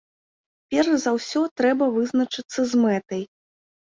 Перш за ўсё трэба вызначыцца з мэтай.